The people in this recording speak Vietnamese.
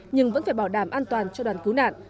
nhưng vẫn phải bảo đảm an toàn cho đoàn cứu nạn